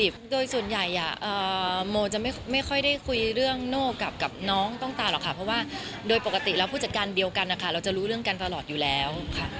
เพราะว่าโดยปกติเราผู้จัดการเดียวกันเราจะรู้เรื่องกันตลอดอยู่แล้ว